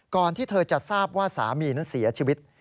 ที่เธอจะทราบว่าสามีนั้นเสียชีวิต